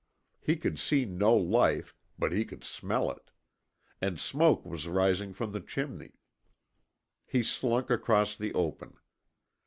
He could see no life, but he could SMELL it. And smoke was rising from the chimney. He slunk across the open.